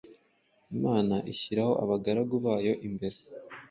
Imana ishyiraho abagaragu bayo imbere